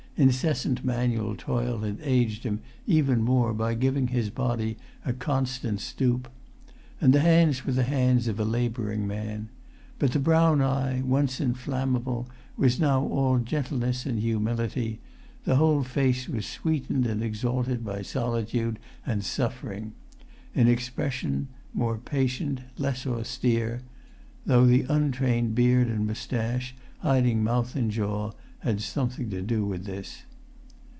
Incessant manual toil had aged him even more by giving his body a constant stoop. And the hands were the hands of a labouring man. But the brown eye, once inflammable, was now all gentleness and humility; the whole face was sweetened and exalted by solitude and suffering; in expression more patient, less austere; though the untrained beard and moustache, hiding mouth and jaw, had something to do with this.